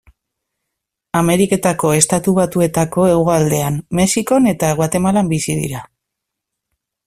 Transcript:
Ameriketako Estatu Batuetako hegoaldean, Mexikon eta Guatemalan bizi dira.